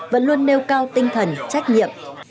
vẫn luôn nêu cao tinh thần trách nhiệm